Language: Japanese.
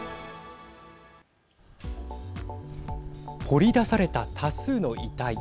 掘り出された多数の遺体。